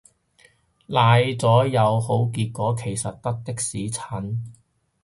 奶咗有好結果其實得的士陳